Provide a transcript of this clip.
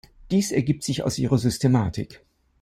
Dies ergibt sich aus ihrer Systematik.